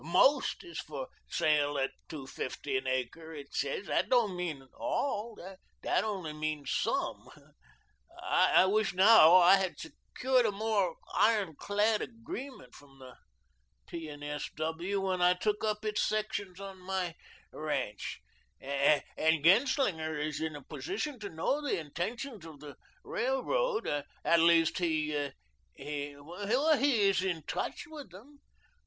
'MOST is for sale at two fifty an acre,' it says. That don't mean 'ALL,' that only means SOME. I wish now that I had secured a more iron clad agreement from the P. and S. W. when I took up its sections on my ranch, and and Genslinger is in a position to know the intentions of the railroad. At least, he he he is in TOUCH with them.